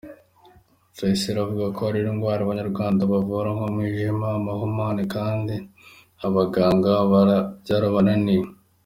Rutayisire avuga ko hari indwara abanyarwanda bavura nk’umwijima, amahumane kandi abaganga byarabananiye.